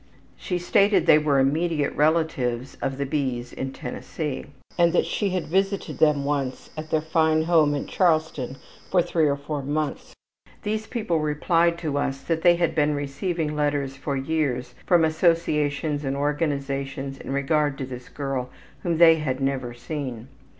She stated they were immediate relatives of the B.'s in Tennessee, and that she had visited them once at their fine home in Charleston for three or four months. These people replied to us that they had been receiving letters for years from associations and organizations in regard to this girl whom they had never seen.